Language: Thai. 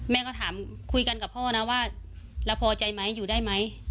แม่ก็ถามคุยกันกับพ่อนะว่าเราพอใจไหมอยู่ได้ไหม